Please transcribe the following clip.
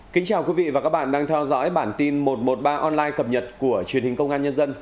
kính chào quý vị và các bạn đang theo dõi bản tin một trăm một mươi ba online cập nhật của truyền hình công an nhân dân